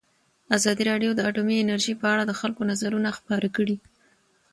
ازادي راډیو د اټومي انرژي په اړه د خلکو نظرونه خپاره کړي.